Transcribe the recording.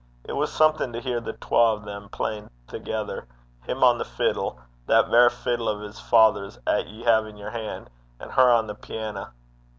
It was something to hear the twa o' them playing thegither, him on the fiddle that verra fiddle o' 's father's 'at ye hae i' yer han' and her on the piana.